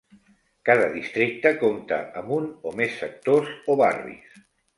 Cada districte compta amb un o més sectors o barris.